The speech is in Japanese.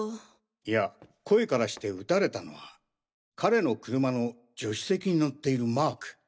いや声からして撃たれたのは彼の車の助手席に乗っているマーク。